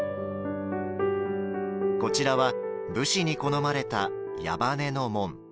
こちらは、武士に好まれた矢羽根の紋。